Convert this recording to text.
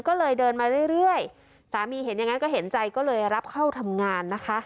ก็เลยเดินมาเรื่อยสามีเห็นอย่างนั้นก็เห็นใจก็เลยรับเข้าทำงานนะคะ